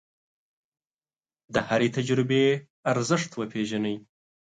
د هرې تجربې ارزښت وپېژنئ.